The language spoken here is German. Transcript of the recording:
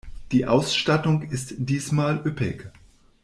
Die Ausstattung ist diesmal üppig.